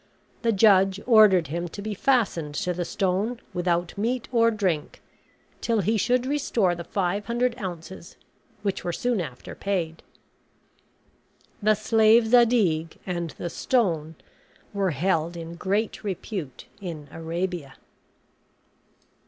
The judge ordered him to be fastened to the stone, without meat or drink, till he should restore the five hundred ounces, which were soon after paid. The slave Zadig and the stone were held in great repute in Arabia.